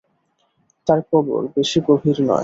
তার কবর, বেশী গভীর নয়।